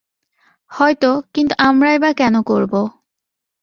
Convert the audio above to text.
হয়তো, কিন্তু আমরাই বা কেন করবো?